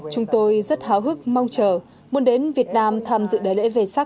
chúng tôi rất hào hức mong chờ muốn đến việt nam tham dự đại lễ về sắc hai nghìn một mươi chín